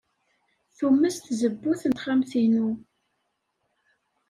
Tumes tzewwut n texxamt-inu.